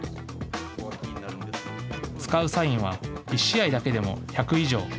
使うサインは１試合だけでも１００以上。